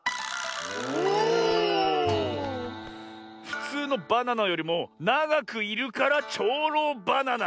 ふつうのバナナよりもながくいるから「ちょうろうバナナ」。